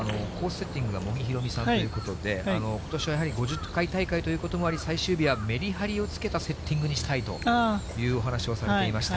セッティングがもぎひろみさんということで、ことしは、やはり５０回大会ということもあり、ことしはメリハリをつけたセッティングにしたいというお話をされていました。